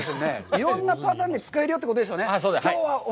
いろんなパターンで使えるよということですよね。